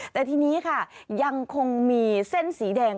แต่ทีนี้ค่ะยังคงมีเส้นสีแดง